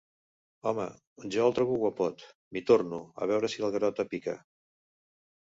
Home, jo el trobo guapot! —m'hi torno, a veure si el Garota pica.